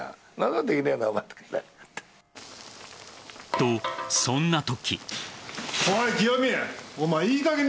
と、そんな時。